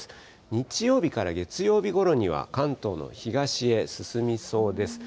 日曜日から月曜日ごろには、関東の東へ進みそうです。